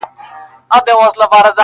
د کاغذ له مخي خبري وکړم